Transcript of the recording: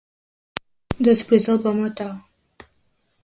Després el va matar.